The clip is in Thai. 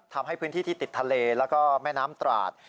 ทำให้พื้นที่ที่ติดทะเลแล้วก็แม่น้ำตราด